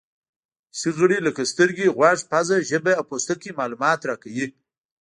حسي غړي لکه سترګې، غوږ، پزه، ژبه او پوستکی معلومات راکوي.